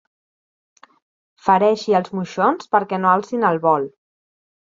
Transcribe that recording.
Fereixi els moixons perquè no alcin el vol.